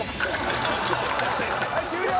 はい終了！